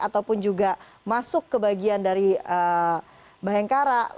ataupun juga masuk ke bagian dari bayangkara